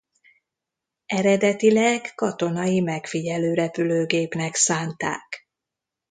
Eredetileg katonai megfigyelő repülőgépnek szánták.